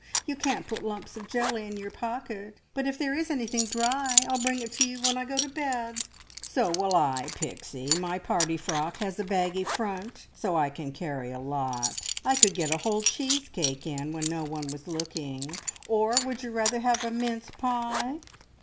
You can't put lumps of jelly in your pocket, but if there is anything dry, I'll bring it to you when I go to bed!" "So will I, Pixie. My party frock has a baggy front, so I can carry a lot. I could get a whole cheese cake in when no one was looking. Or would you rather have a mince pie?"